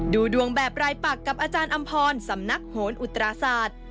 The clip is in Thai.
ดูดวงแบบรายปักกับอาจารย์อำพรสำนักโหนอุตราศาสตร์